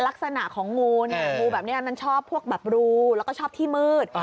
ลักษณะของงูเนี่ยงูแบบนี้มันชอบพวกแบบรูแล้วก็ชอบที่มืด